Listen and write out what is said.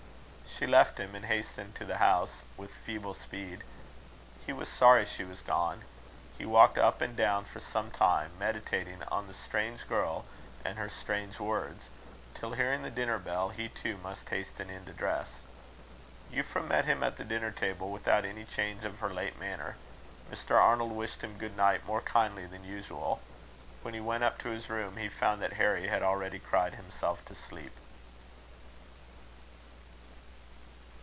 She left him, and hastened to the house 'with feeble speed.' He was sorry she was gone. He walked up and down for some time, meditating on the strange girl and her strange words; till, hearing the dinner bell, he too must hasten in to dress. Euphra met him at the dinner table without any change of her late manner. Mr. Arnold wished him good night more kindly than usual. When he went up to his room, he found that Harry had already cried himself to sleep.